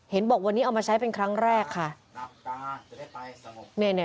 บอกวันนี้เอามาใช้เป็นครั้งแรกค่ะ